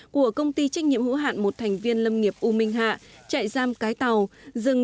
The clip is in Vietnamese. của công ty trách nhiệm hữu hạn một thành viên lâm nghiệp u minh hạ trại giam cái tàu rừng